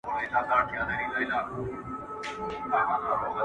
د طوطي بڼکي تویي سوې ګنجی سو!!